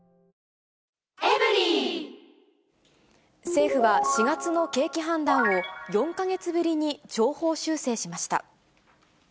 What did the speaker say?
政府は、４月の景気判断を、４か月ぶりに上方修正しました。